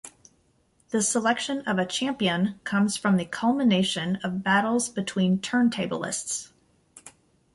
The selection of a champion comes from the culmination of battles between turntablists.